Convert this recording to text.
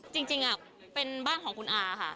จริงเป็นบ้านของคุณอาค่ะ